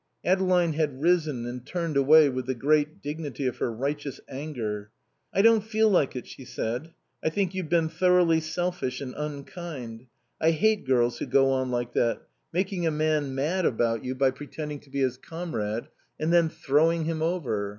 Adeline had risen and turned away with the great dignity of her righteous anger. "I don't feel like it," she said. "I think you've been thoroughly selfish and unkind. I hate girls who go on like that making a man mad about you by pretending to be his comrade, and then throwing him over.